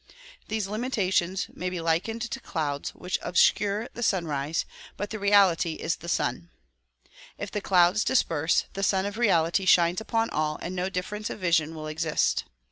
These imitations may be likened to clouds which obscure the sunrise ; but the reality is the sun. If the clouds dis perse, the Sun of Reality shines upon all and no difference of vision will exist.